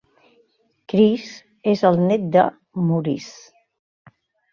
Chris és el nét de Maurice.